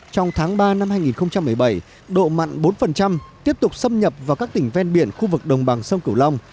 trong tháng ba năm hai nghìn một mươi bảy độ mặn bốn tiếp tục xâm nhập vào các tỉnh ven biển khu vực đồng bằng sông cửu long